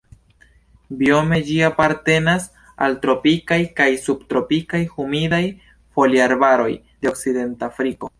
Biome ĝi apartenas al tropikaj kaj subtropikaj humidaj foliarbaroj de Okcidentafriko.